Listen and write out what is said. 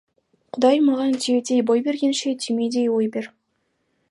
Құдай маған түйедей бой бергенше, түймедей ой бер.